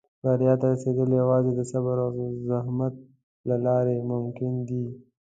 • بریا ته رسېدل یوازې د صبر او زحمت له لارې ممکن دي.